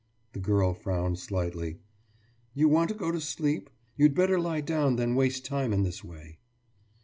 « The girl frowned slightly. »You want to go to sleep? You'd better lie down than waste time in this way.